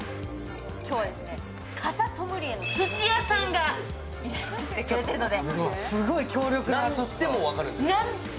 今日は傘ソムリエの土屋さんが来てくれているので。